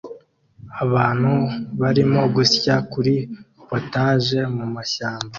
Abantu barimo gusya kuri POTAGE mumashyamba